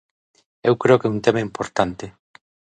Eu creo que é un tema importante.